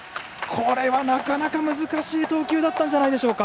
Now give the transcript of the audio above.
これはなかなか難しい投球だったんではないでしょうか。